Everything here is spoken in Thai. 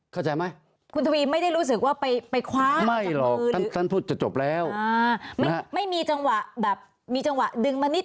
มีจังหวะดึงมานิดไม่รู้สึกใช่ไหมครับตอนนั้น